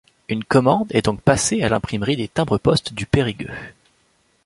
Une commande est donc passée à l'imprimerie des timbres-poste de Périgueux.